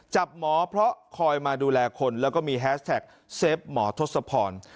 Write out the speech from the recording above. จับหมอเพราะคอยมาดูแลคนแล้วก็มีแฮสแท็กเซฟหมอทศพร